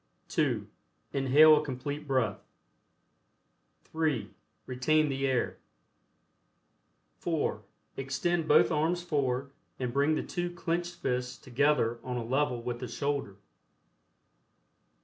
(2) Inhale a Complete Breath. (3) Retain the air. (4) Extend both arms forward and bring the two clenched fists together on a level with the shoulder.